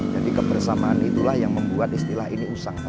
jadi kebersamaan itulah yang membuat istilah ini usang bagi kami